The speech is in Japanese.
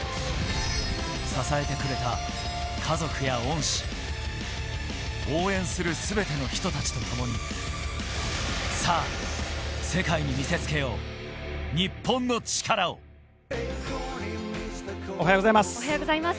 支えてくれた家族や恩師、応援するすべての人たちとともに、さぁ、世界に見せつけよう、おはようございます。